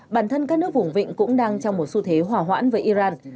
bản thân các nước vùng vịnh cũng đang trong một xu thế hỏa hoãn với iran